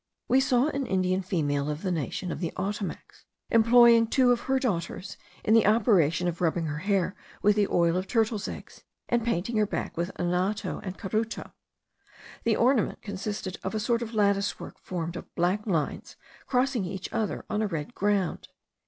We saw an Indian female of the nation of the Ottomacs employing two of her daughters in the operation of rubbing her hair with the oil of turtles' eggs, and painting her back with anato and caruto. The ornament consisted of a sort of lattice work formed of black lines crossing each other on a red ground.